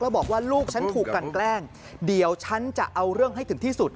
แล้วบอกว่าลูกฉันถูกกันแกล้งเดี๋ยวฉันจะเอาเรื่องให้ถึงที่สุด